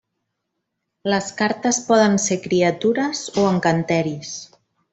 Les cartes poden ser criatures o encanteris.